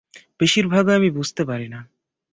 বেশির ভাগই আমি বুঝতে পারি না।